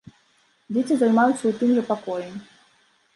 Дзеці займаюцца ў тым жа пакоі.